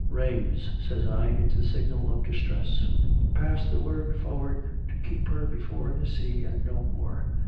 "Rames," says I, "it's a signal of distress. Pass the word forward to keep her before the sea, and no more.